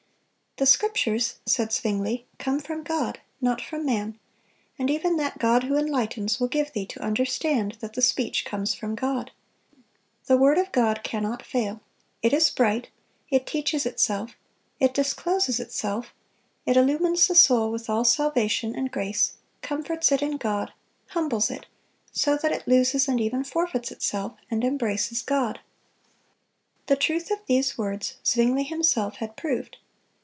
"The Scriptures," said Zwingle, "come from God, not from man, and even that God who enlightens will give thee to understand that the speech comes from God. The word of God ... cannot fail; it is bright, it teaches itself, it discloses itself, it illumines the soul with all salvation and grace, comforts it in God, humbles it, so that it loses and even forfeits itself, and embraces God."(243) The truth of these words Zwingle himself had proved.